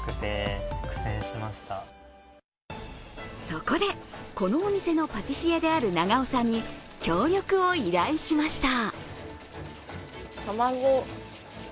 そこで、このお店のパティシエである永尾さんに協力を依頼しました。